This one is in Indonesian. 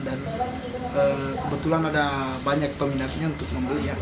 dan kebetulan ada banyak peminatnya untuk membelinya